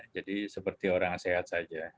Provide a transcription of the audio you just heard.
jadi seperti orang yang sehat saja